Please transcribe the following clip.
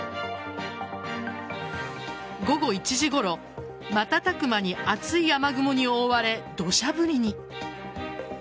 午後１時ごろ、瞬く間に厚い雨雲に覆われ土砂降りに。